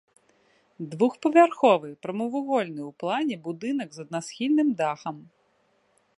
Двухпавярховы прамавугольны ў плане будынак з аднасхільным дахам.